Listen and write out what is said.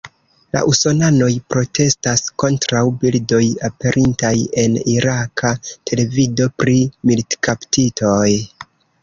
La usonanoj protestas kontraŭ bildoj aperintaj en iraka televido pri militkaptitoj.